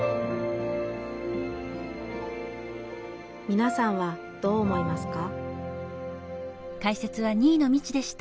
みなさんはどう思いますか？